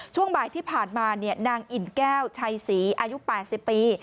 ช่วงบ่ายที่ผ่านมานางอิ่นแก้วชัยศรีอายุ๘๐ปี